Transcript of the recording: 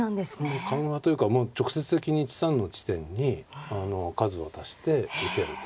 緩和というかもう直接的に１三の地点に数を足して見てると。